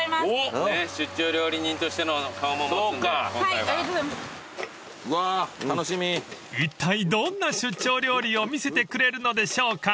［いったいどんな出張料理を見せてくれるのでしょうか］